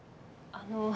あの。